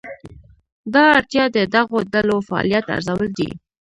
دا اړتیا د دغو ډلو فعالیت ارزول دي.